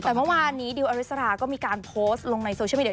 แต่เมื่อวานนี้ดิวอริสราก็มีการโพสต์ลงในโซเชียลมีเดี